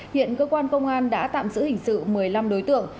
hiện cơ quan công an đã tạm giữ hình sự một mươi năm đối tượng